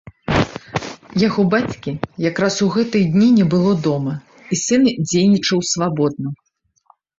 Яго бацькі якраз у гэтыя дні не было дома, і сын дзейнічаў свабодна.